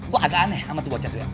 gue agak aneh sama tu baca tu ya